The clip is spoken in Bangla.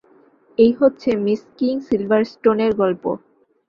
এই হচ্ছে মিস কিং সিলভারষ্টোনের গল্প।